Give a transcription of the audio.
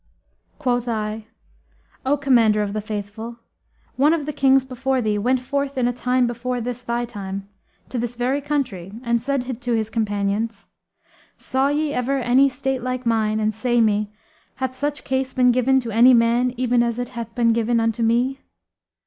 Quoth I, 'O Commander of the Faithful, one of the Kings before thee went forth in a time before this thy time, to this very country and said to his companions, 'Saw ye ever any state like mine and say me, hath such case been given to any man even as it hath been given unto me?'